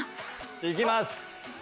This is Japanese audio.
行きます！